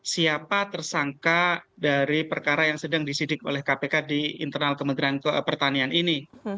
siapa tersangka dari perkara yang sedang disidik oleh kpk di internal kementerian pertanian ini